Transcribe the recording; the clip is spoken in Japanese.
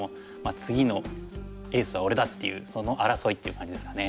「次のエースは俺だ！」っていうその争いっていう感じですかね。